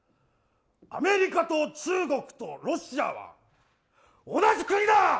アメリカと中国とロシアは同じ国だ！